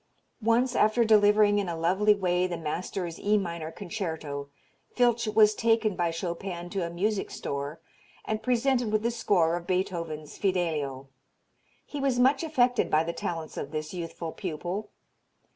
Once after delivering in a lovely way the master's E minor concerto Filtsch was taken by Chopin to a music store and presented with the score of Beethoven's "Fidelio." He was much affected by the talents of this youthful pupil.